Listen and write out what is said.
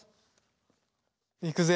いくぜ。